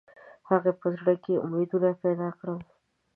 د هغه په زړه کې یې امیدونه پیدا کړل.